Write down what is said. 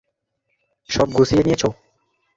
সব গুছিয়ে নিয়েছো?